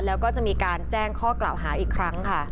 แล้วก็จะมีการแจ้งข้อกล่าวหาอีกครั้งค่ะ